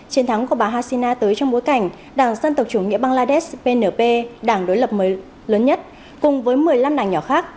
chiến thắng của bà hasina tới trong bối cảnh đảng dân tộc chủ nghĩa bangladesh pnp đảng đối lập lớn nhất cùng với một mươi năm đảng nhỏ khác